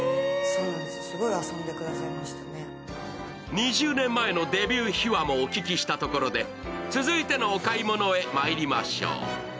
２０年前のデビュー秘話もお聞きしたところで続いてのお買い物へまいりましょう。